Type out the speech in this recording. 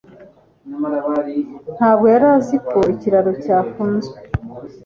ntabwo yari azi ko ikiraro cyafunzwe.